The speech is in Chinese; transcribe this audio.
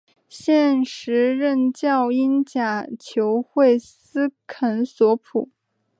现时任教英甲球会斯肯索普。